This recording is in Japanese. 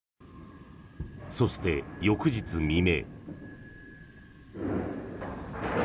そして、翌日未明。